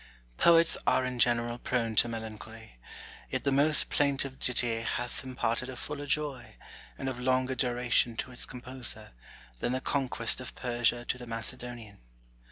Poets are in general prone to melancholy ; yet the most plaintive ditty hath imparted a fuller joy, and of longer duration, to its composer, than the conquest of Persia to the Macedonian.